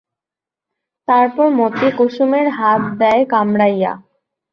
তারপর মতি কুসুমের হাত দেয় কামড়াইয়া।